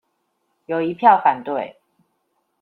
有一票反對